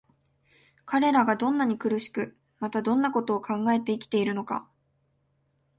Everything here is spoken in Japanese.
彼等がどんなに苦しく、またどんな事を考えて生きているのか、